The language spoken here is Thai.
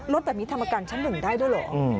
รถแบบนี้ทำประกันชั้นหนึ่งได้หรือ